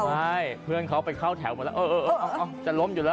ใช่เพื่อนเขาไปเข้าแถวหมดแล้วเออจะล้มอยู่แล้ว